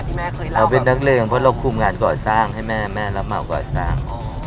แม่เคยรับเราเป็นนักเลงเพราะเราคุมงานก่อสร้างให้แม่แม่รับเหมาก่อสร้าง